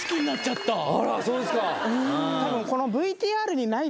あらそうですかうん